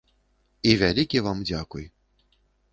І вялікі вам дзякуй.